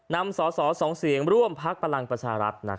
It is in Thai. นำสอสอสองเสียงร่วมภักรรมประชารัฐ